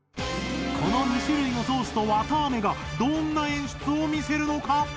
この２種類のソースとわたあめがどんな演出を見せるのか。